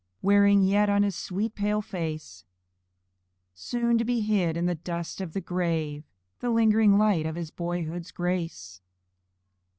Wearing yet on his sweet, pale face Soon to be hid in the dust of the grave The lingering light of his boyhood's grace!